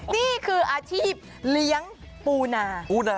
นี่คืออาชีพเลี้ยงปูนา